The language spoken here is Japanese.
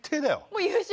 もう優勝？